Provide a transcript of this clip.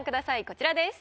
こちらです。